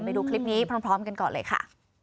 ไปดูคลิปนี้พร้อมกันก่อนเลยค่ะ